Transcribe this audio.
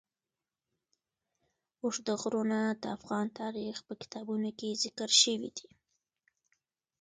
اوږده غرونه د افغان تاریخ په کتابونو کې ذکر شوی دي.